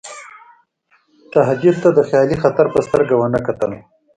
تهدید ته د خیالي خطر په سترګه ونه کتل.